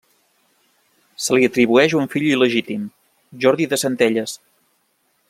Se li atribueix un fill il·legítim, Jordi de Centelles.